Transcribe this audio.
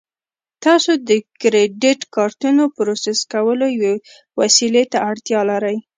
تاسو د کریډیټ کارتونو پروسس کولو یوې وسیلې ته اړتیا لرئ